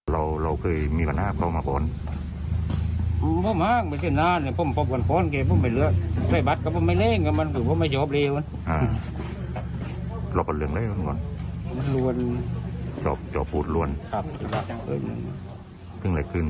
แล้วก็เลยออกไปพบเขาตรงนู้น